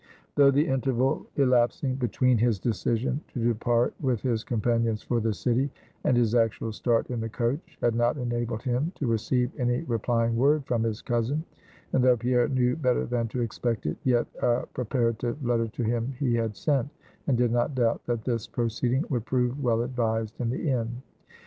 Though the interval elapsing between his decision to depart with his companions for the city, and his actual start in the coach, had not enabled him to receive any replying word from his cousin; and though Pierre knew better than to expect it; yet a preparative letter to him he had sent; and did not doubt that this proceeding would prove well advised in the end.